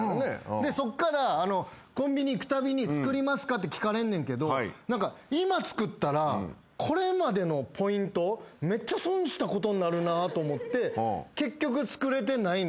でそっからコンビニ行くたびに作りますかって聞かれんねんけど今作ったらこれまでのポイントめっちゃ損したことになるなと思って結局作れてないんですよね。